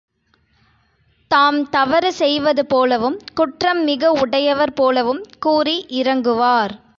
தாம் தவறு செய்வது போலவும் குற்றம் மிக உடையவர் போலவும் கூறி இரங்குவார்.